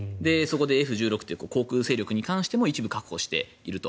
Ｆ１６という航空戦力に関しても一部確保していると。